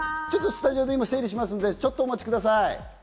スタジオで整理しますので、お待ちください。